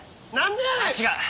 違う。